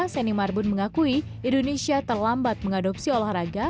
seni marbun mengakui indonesia terlambat mengadopsi olahraga